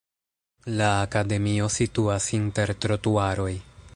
La akademio situas inter trotuaroj.